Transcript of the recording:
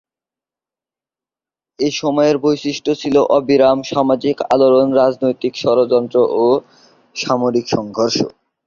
এই সময়ের বৈশিষ্ট ছিল অবিরাম সামাজিক আলোড়ন, রাজনৈতিক ষড়যন্ত্র ও সামরিক সংঘর্ষ।